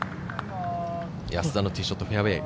安田のティーショット、フェアウエー。